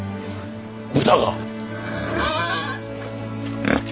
豚が？